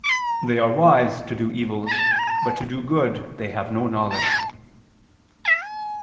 4:22: "They are wise to do evils, but to do good they have no knowledge."